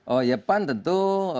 oh ya pan tentu